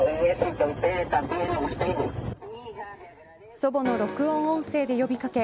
祖母の録音音声で呼び掛け